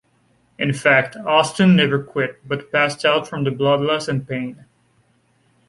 In fact, Austin never quit, but passed out from the blood loss and pain.